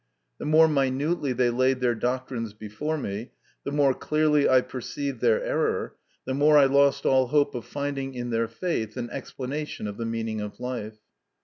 The more minutely they laid their doctrines before me, the more clearly I perceived their error, the more I lost all hope of rinding in their faith an explanation of the meaning of life.